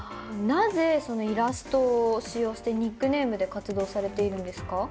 なぜ、そのイラストを使用して、ニックネームで活動されているんですか。